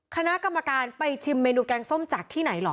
คณะกรรมการไปชิมเมนูแกงส้มจากที่ไหนเหรอ